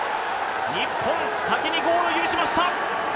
日本、先にゴールを許しました。